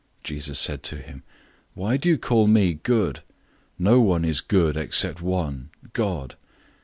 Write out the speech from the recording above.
010:018 Jesus said to him, "Why do you call me good? No one is good except one God.